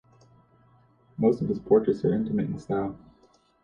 Most of his portraits are intimate in style.